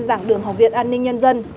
dạng đường học viện an ninh nhân dân